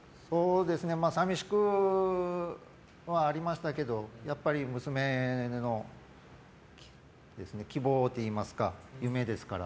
寂しくはありましたけどやっぱり娘の希望といいますか夢ですから。